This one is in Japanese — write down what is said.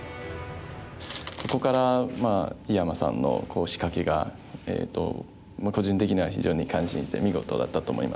ここから井山さんの仕掛けが個人的には非常に感心した見事だったと思います。